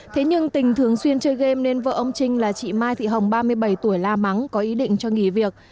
thế nhưng tình thường xuyên chơi game nên vợ ông trinh là chị mai thị hồng ba mươi bảy tuổi la mắng có ý định cho nghỉ việc